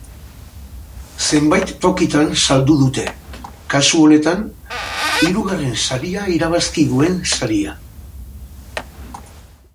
Zenbait tokitan saldu dute, kasu honetan, hirugarren saria irabazki duen saria.